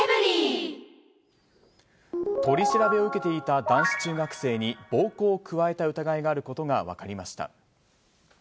取り調べを受けていた男子中学生に暴行を加えた疑いがあることが分かりました。